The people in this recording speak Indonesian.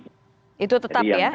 itu tetap ya